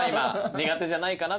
苦手じゃないかな。